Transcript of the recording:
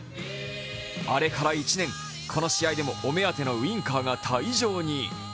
あれから１年、この試合でもお目当てのウインカーが退場に。